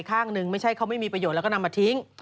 ข้างหนึ่งไม่ใช่เขาไม่มีประโยชน์แล้วก็นำมาทิ้ง